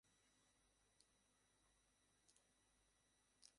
তোর কাছে টাকা আছে?